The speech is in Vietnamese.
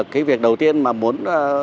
cái việc đầu tiên mà muốn